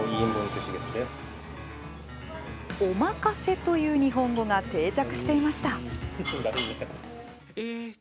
「おまかせ」という日本語が定着していました。